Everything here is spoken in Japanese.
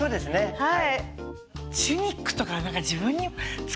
はい。